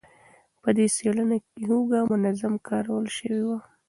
په دې څېړنه کې هوږه منظم کارول شوې وه.